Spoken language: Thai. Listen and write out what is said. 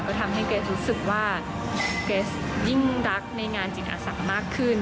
ก็ทำให้เกรสรู้สึกว่าเกรสยิ่งรักในงานจิตอาสามากขึ้น